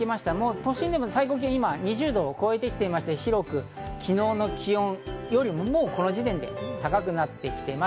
都心でも最高気温、今２０度を超えて来ていまして、広く昨日の気温よりもこの時点で高くなってきています。